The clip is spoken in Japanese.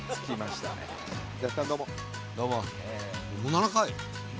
７回。